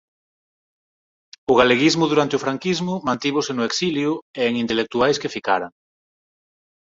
O galeguismo durante o franquismo mantívose no exilio e en intelectuais que ficaran.